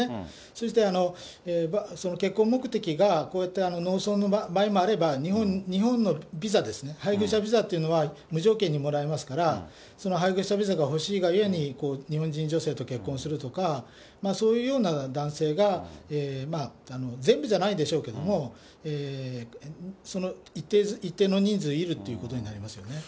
そして結婚目的が、こうやって農村の場合もあれば、日本のビザですね、配偶者ビザというのが無条件にもらえますから、配偶者ビザが欲しいがゆえに日本人女性と結婚するとか、そういうような男性が全部じゃないでしょうけども、一定の人数いるってことになりますよね。